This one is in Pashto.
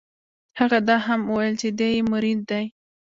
هغه دا هم وویل چې دی یې مرید دی.